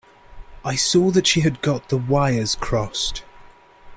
I saw that she had got the wires crossed.